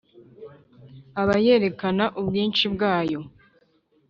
aba yerekana ubwinshi bwayo